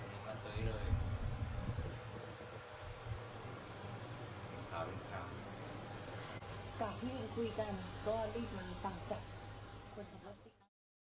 กลับที่นี่คุยกันก็รีบมาต่างจากคนที่เขาติดตาม